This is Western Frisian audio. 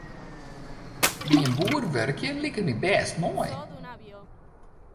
By in boer wurkje liket my bêst moai.